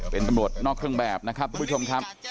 เป็นตำรวจนอกเครื่องแบบนะครับทุกผู้ชมครับ